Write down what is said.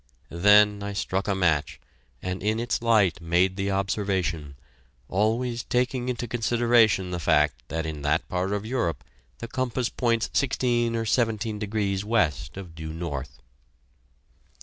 Then I struck a match, and in its light made the observation, always taking into consideration the fact that in that part of Europe the compass points sixteen or seventeen degrees west of due north.